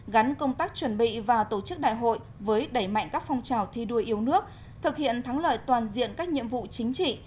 gắn công tác chuẩn bị và tổ chức đại hội với đẩy mạnh các phong trào thi đua yêu nước thực hiện thắng lợi toàn diện các nhiệm vụ chính trị